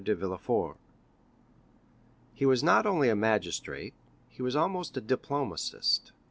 de Villefort was not only a magistrate, he was almost a diplomatist.